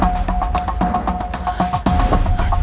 aku mau ke rumah